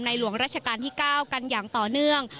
หลวงราชการที่๙กันอย่างต่อเนื่อง